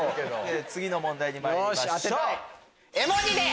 次の問題に参りましょう。